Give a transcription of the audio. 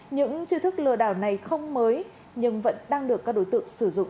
những chiêu thức lừa đảo này không mới nhưng vẫn đang được các đối tượng sử dụng